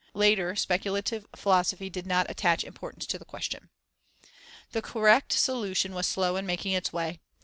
Later speculative philosophy did not attach importance to the question. The correct solution was slow in making its way.